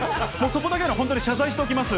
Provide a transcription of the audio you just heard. そこだけは本当に謝罪しておきます。